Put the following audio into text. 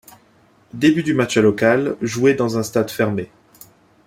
Début du match à locales, joué dans un stade fermé.